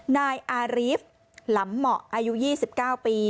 นายอารีฟหลำเหมาะอายุ๒๙ปี